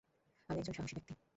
আমি একজন সাহসী ব্যাক্তি।